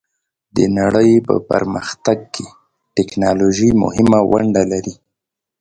د نړۍ په پرمختګ کې ټیکنالوژي مهمه ونډه لري.